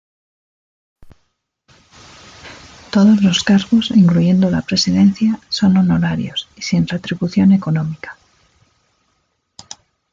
Todos los cargos, incluyendo la presidencia, son honorarios y sin retribución económica.